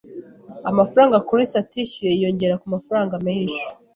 Amafaranga Chris atishyuye yiyongera kumafaranga menshi.